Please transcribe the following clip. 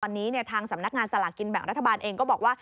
ตอนนี้ทางสำนักงานสลากินแบ่งรัฐบาลเองก็บอกว่า